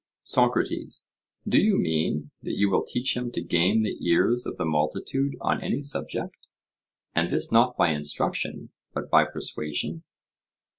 SOCRATES: Do you mean that you will teach him to gain the ears of the multitude on any subject, and this not by instruction but by persuasion?